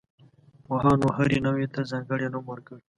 پوهانو هرې نوعې ته ځانګړی نوم ورکړ.